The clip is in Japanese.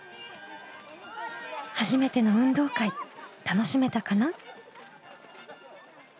初めての運動会楽しめたかな？